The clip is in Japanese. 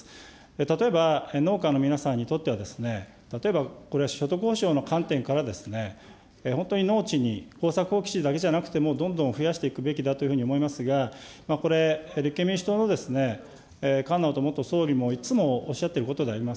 例えば、農家の皆さんにとっては、例えばこれは所得ほしょうの観点から、本当に農地に、耕作放棄地だけじゃなくてどんどん増やしていくべきだというにも思いますが、これ、立憲民主党の菅元総理もいつもおっしゃっていることであります。